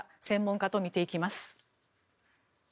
専門家と見ていきます。